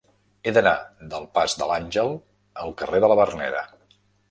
He d'anar del pas de l'Àngel al carrer de la Verneda.